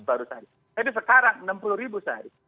tapi sekarang enam puluh sehari